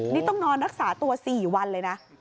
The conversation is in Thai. นี่ต้องนอนรักษาตัว๔วันเลยนะ